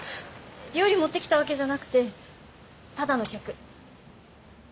料理持ってきたわけじゃなくてただの客。